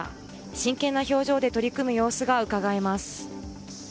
真剣な表情で取り組む様子がうかがえます。